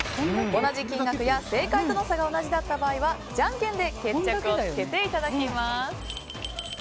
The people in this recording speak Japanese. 同じ金額や正解との差が同じ時はじゃんけんで決着をつけていただきます。